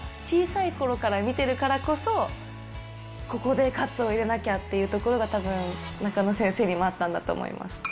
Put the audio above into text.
小さいころから見てるからこそ、ここで喝を入れなきゃというところがたぶん中野先生にもあったんだと思います。